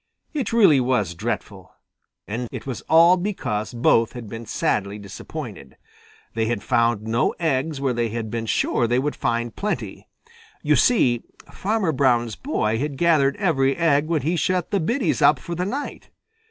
It really was dreadful. And it was all because both had been sadly disappointed. They had found no eggs where they had been sure they would find plenty. You see, Farmer Brown's boy had gathered every egg when he shut the biddies up for the night.